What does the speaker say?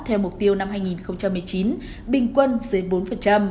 theo mục tiêu năm hai nghìn một mươi chín bình quân dưới bốn